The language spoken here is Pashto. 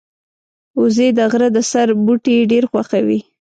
وزې د غره د سر بوټي ډېر خوښوي